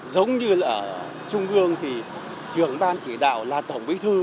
giống như ở trung ương thì trưởng ban chỉ đạo là tổng bí thư